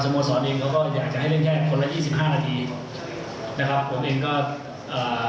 โมสรเองเขาก็อยากจะให้เล่นแค่คนละยี่สิบห้านาทีนะครับผมเองก็อ่า